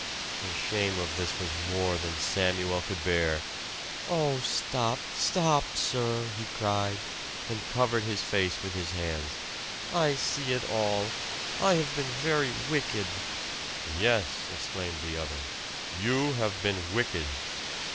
The shame of this was more than Samuel could bear. "Oh, stop, stop, sir!" he cried, and covered his face with his hands. "I see it all! I have been very wicked!" "Yes!" exclaimed the other. "You have been wicked."